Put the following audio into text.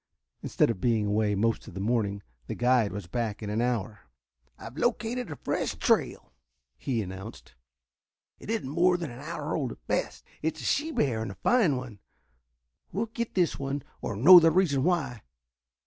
Instead of being away most of the morning the guide was back in an hour. "I've located a fresh trail," he announced. "It isn't more than an hour old at best. It's a she bear and a fine one. We'll get this one or know the reason why.